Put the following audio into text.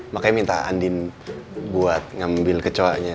makanya minta andin buat ngambil ke cowoknya